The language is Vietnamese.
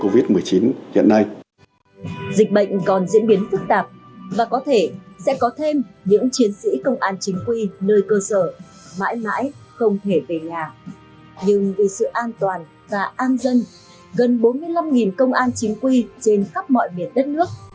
vì sự an toàn và an dân gần bốn mươi năm công an chính quy trên khắp mọi biển đất nước